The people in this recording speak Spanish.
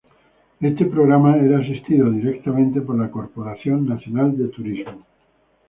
Este programa era asistido directamente por la Corporación Nacional de Turismo.